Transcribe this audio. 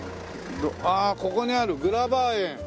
ああここにあるグラバー園。